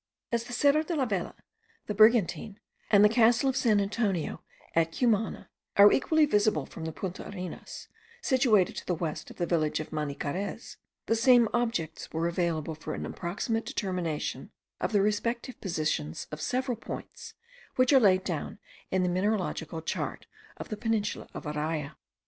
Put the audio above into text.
As the Cerro de la Vela, the Brigantine, and the castle of San Antonio at Cumana, are equally visible from the Punta Arenas, situated to the west of the village of Maniquarez, the same objects were available for an approximate determination of the respective positions of several points, which are laid down in the mineralogical chart of the peninsula of Araya.